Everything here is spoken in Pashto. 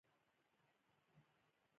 آیا زمرد په جیبونو کې وړل کیږي؟